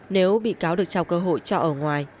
nếu bị cáo được trao cơ hội cho ở ngoài